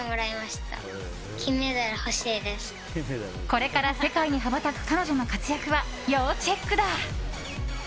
これから世界に羽ばたく彼女の活躍は要チェックだ。